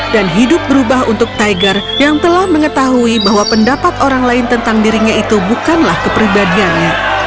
dan hidup berubah untuk tiger yang telah mengetahui bahwa pendapat orang lain tentang dirinya itu bukanlah kepribadiannya